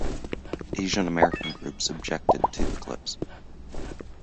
Asian American groups objected to the clips.